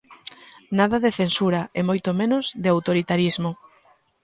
Nada de "censura" e moito menos de "autoritarismo".